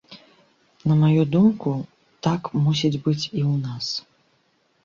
На маю думку, так мусіць быць і ў нас.